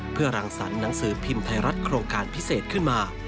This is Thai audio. เพื่อรังสรรค์หนังสือพิมพ์ไทยรัฐโครงการพิเศษขึ้นมา